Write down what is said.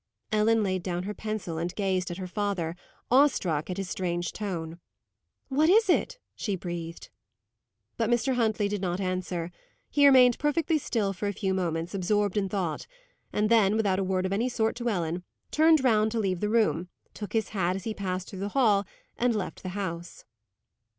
Ellen laid down her pencil, and gazed at her father, awe struck at his strange tone. "What is it?" she breathed. But Mr. Huntley did not answer. He remained perfectly still for a few moments, absorbed in thought: and then, without a word of any sort to Ellen, turned round to leave the room, took his hat as he passed through the hall, and left the house.